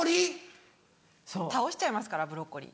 倒しちゃいますからブロッコリー。